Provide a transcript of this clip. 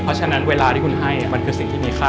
เพราะฉะนั้นเวลาที่คุณให้มันคือสิ่งที่มีค่า